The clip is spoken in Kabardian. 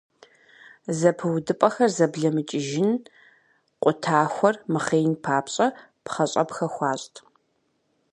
Зэпыудыпӏэхэр зэблэмыкӏыжын, къутахуэр мыхъеин папщӏэ пхъэщӏэпхэ хуащӏт.